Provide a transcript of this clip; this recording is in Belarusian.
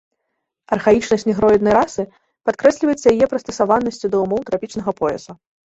Архаічнасць негроіднай расы падкрэсліваецца яе прыстасаванасцю да ўмоў трапічнага пояса.